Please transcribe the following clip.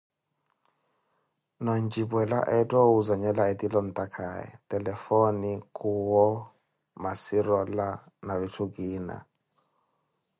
Noo ontxipwela etthaka owuzanhela ettile ontaakaye, telefone, kuwo, macirola, na vittu kiina